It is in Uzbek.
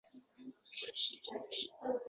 Ana-ana u kishining yonlarida qamag‘anlik boy.